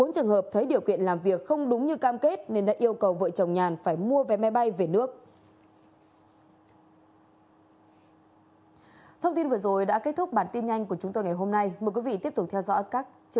bốn trường hợp thấy điều kiện làm việc không đúng như cam kết nên đã yêu cầu vợ chồng nhàn phải mua vé máy bay về nước